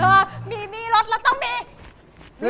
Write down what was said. เออมีมีรถเราต้องมี